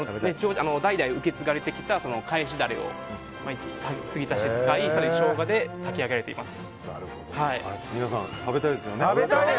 代々受け継がれてた返しダレを継ぎ足して使い更にショウガで炊き上げています。